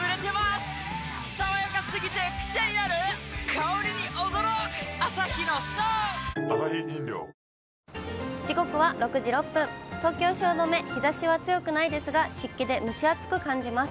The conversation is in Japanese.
香りに驚くアサヒの「颯」時刻は６時６分、東京・汐留、日ざしは強くないですが、湿気で蒸し暑く感じます。